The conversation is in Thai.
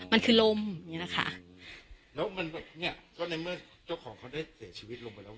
มันคือลมอย่างเงี้นะคะแล้วมันแบบเนี้ยก็ในเมื่อเจ้าของเขาได้เสียชีวิตลงไปแล้ว